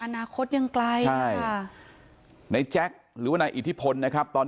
อนาคตยังไกลใช่ในแจ็คหรือว่าในอิทธิพลนะครับตอนนี้ตำลวด